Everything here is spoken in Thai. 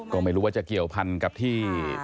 ก็ไม่รู้ว่าจะเกี่ยวพันกับที่